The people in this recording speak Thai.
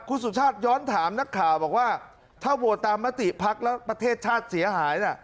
คุณสุชาติย้อนถามนักข่าวบอกว่าถ้าโหวตตามมติภักดิ์แล้วประเทศชาติเสียหายน่ะ